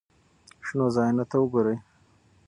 شنو ځایونو ته وګورئ.